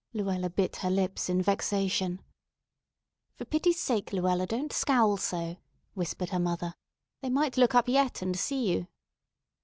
Luella bit her lips in vexation. "For pity's sake, Luella, don't scowl so," whispered her mother; "they might look up yet and see you."